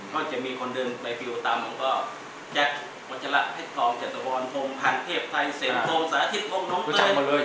ก็จะมีคนเดินไปฟิวตามผมก็แจ๊ควัชละแพทย์กรองจัตรวรธงพันเทพไทยเสร็จโทรมสาธิตภงน้องเตือน